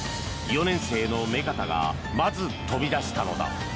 ４年生の目片がまず飛び出したのだ。